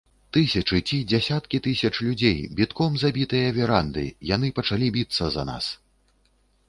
Тысячы ці дзясяткі тысяч людзей, бітком забітыя веранды, яны пачалі біцца за нас.